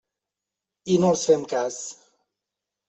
I no els fem cas.